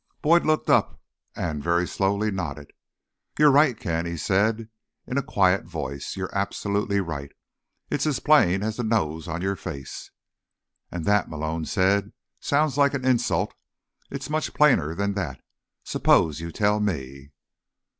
Boyd looked up and, very slowly, nodded. "You're right, Ken," he said in a quiet voice. "You're absolutely right. It's as plain as the nose on your face." "And that," Malone said, "sounds like an insult. It's much plainer than that. Suppose you tell me."